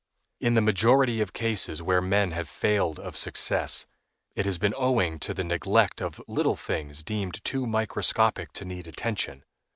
In the majority of cases where men have failed of success, it has been owing to the neglect of little things deemed too microscopic to need attention.